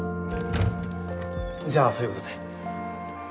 じゃあそういうことで。